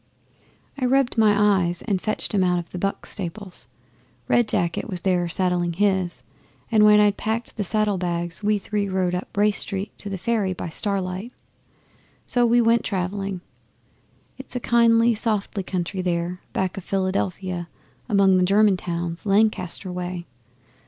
'I rubbed my eyes, and fetched 'em out of the "Buck" stables. Red Jacket was there saddling his, and when I'd packed the saddle bags we three rode up Race Street to the Ferry by starlight. So we went travelling. It's a kindly, softly country there, back of Philadelphia among the German towns, Lancaster way.